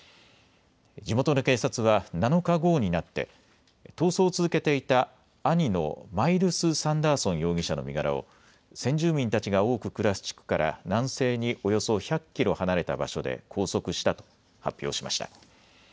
地元の警察は７日午後になって逃走を続けていた兄のマイルス・サンダーソン容疑者の身柄を先住民たちが多く暮らす地区から南西におよそ１００キロ離れた場所で拘束したと発表しました。